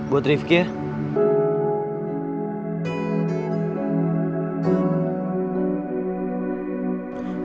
buat rifki ya